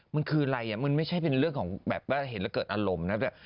มันคืออะไรมันไม่ใช่เป็นเรื่องของแบบว่าเห็นแล้วเกิดอารมณ์นะ